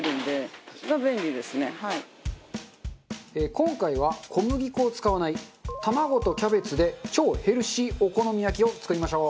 今回は小麦粉を使わない卵とキャベツで超ヘルシーお好み焼きを作りましょう。